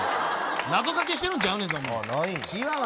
謎かけしてるんちゃうぞ！